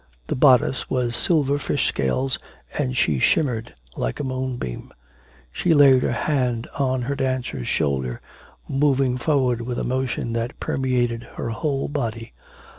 The bodice was silver fish scales, and she shimmered like a moonbeam. She laid her hand on her dancer's shoulder, moving forward with a motion that permeated her whole body.